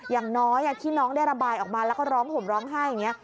อย่างน้อยที่น้องได้ระบายออกมาแล้วก็ร้องห่มร้องไห้อย่างนี้